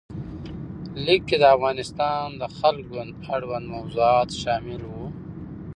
لیک کې د افغانستان د خلق ګوند اړوند موضوعات شامل وو.